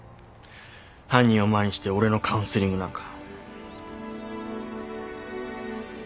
犯人を前にして俺のカウンセリングなんか。